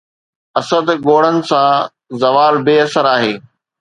اسد ڳوڙهن سان! زوال بي اثر آهي